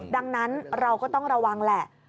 ดังนั้นเราก็ต้องระวังแหละ